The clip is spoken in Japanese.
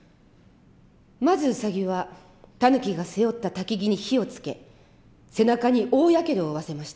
まずウサギはタヌキが背負った薪に火をつけ背中に大やけどを負わせました。